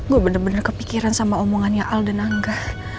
gue bener bener kepikiran sama omongannya alden angga